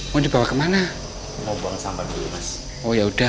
mau dibawa kemana mau buang sampel dulu ya oh ya udah